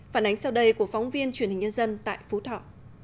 phản ánh sau đây của phóng viên truyền hình nhân dân tại phú thọ